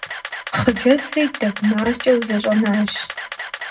Хъыджэбзри дэп маскӏэу зэщӏэнащ.